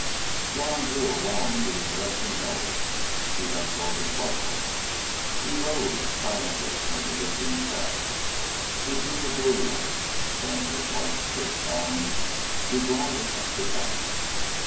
Jean drew a long, deep breath and held it. He let go of his rifle. He rose, silently as a lifting shadow. He drew the bowie knife. Then with light, swift bounds he glided up the bank.